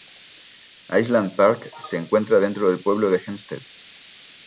Island Park se encuentra dentro del pueblo de Hempstead.